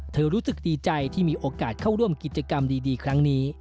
รู้สึกดีใจที่มีโอกาสเข้าร่วมกิจกรรมดีครั้งนี้